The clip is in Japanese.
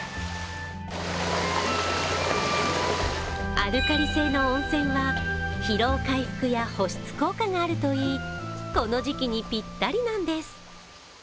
アルカリ性の温泉は疲労回復や保湿効果があるといい、この時期にぴったりなんです。